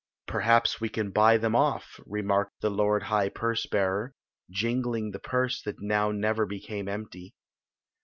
" Perhaps we can buy them off," remarked the lord high purse bearer, jingling the purse that now never became empty.